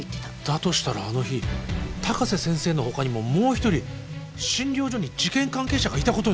だとしたらあの日高瀬先生の他にももう一人診療所に事件関係者がいたことになる。